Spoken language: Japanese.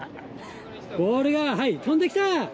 ボールが、はい、飛んできた！